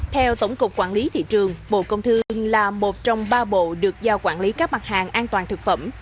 theo tổng cục quản lý thị trường bộ công thương là một trong ba bộ được giao quản lý các mặt hàng an toàn thực phẩm